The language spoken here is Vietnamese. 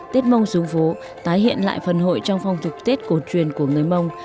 tết mông xuống phố tái hiện lại phần hội trong phong tục tết cổ truyền của người mông